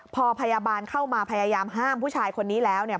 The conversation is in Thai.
พอพยาบาลเข้ามาพยายามห้ามผู้ชายคนนี้แล้วเนี่ย